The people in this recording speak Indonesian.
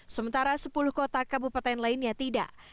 sementara sepuluh kota kabupaten lainnya tidak